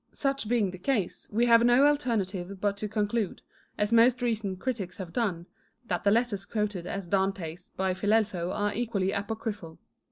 INTRODUCTION xxxi Such being the case, we have no alternative but to con cltide, as most recent critics have done, that the letters quoted as Dante's by Filelfo are equally apocryphal.